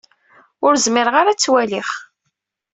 Ur zmireɣ ara ad tt-waliɣ.